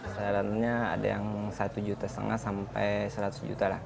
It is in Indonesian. sarannya ada yang satu juta setengah sampai seratus juta lah